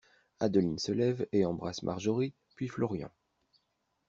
Adeline se lève et embrasse Marjorie puis Florian.